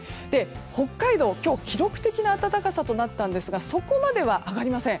北海道、今日は記録的な暖かさとなったんですがそこまでは上がりません。